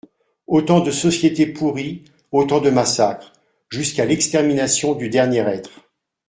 Autant de sociétés pourries, autant de massacres, jusqu'à l'extermination du dernier être.